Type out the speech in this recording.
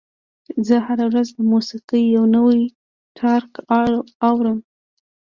زه هره ورځ د موسیقۍ یو نوی ټراک اورم.